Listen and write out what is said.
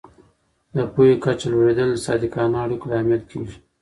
د پوهې کچه لوړېدل د صادقانه اړیکو لامل کېږي.